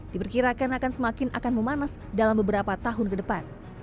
diperkirakan akan semakin akan memanas dalam beberapa tahun ke depan